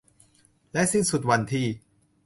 และสิ้นสุดวันที่